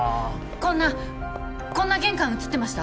こんなこんな玄関写ってました？